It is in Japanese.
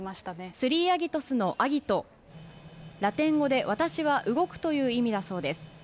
スリーアギトスのアギト、ラテン語で私は動くという意味だそうです。